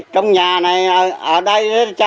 trong nhà này ở đây chả mẹ nữa nhà nước đây nó lót chứ